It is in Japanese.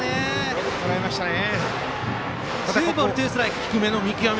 よくとらえましたね。